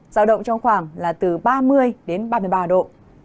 giao động trong khoảng là từ ba mươi đến ba mươi ba độ